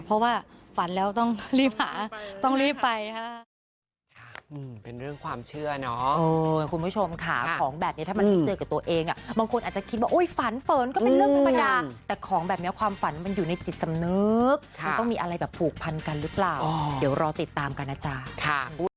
เพราะว่าฝันแล้วต้องรีบหาต้องรีบไปค่ะ